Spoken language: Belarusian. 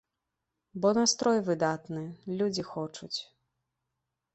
Бо настрой выдатны, людзі хочуць.